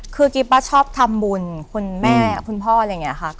คือกิ๊บชอบทำบุญคุณแม่คุณพ่ออะไรอย่างนี้ค่ะ